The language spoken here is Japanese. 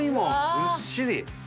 ずっしり！